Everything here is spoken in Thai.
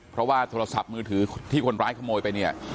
เพราะว่าโทรศัพท์มือถือที่คนร้ายขโมยไปเนี่ย